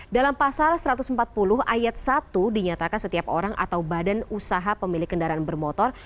dalam pasal satu ratus empat puluh ayat satu dinyatakan setiap orang atau badan usaha pemilik kendaraan bermotor